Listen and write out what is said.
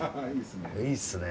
いいですね。